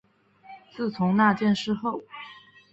自从那事件后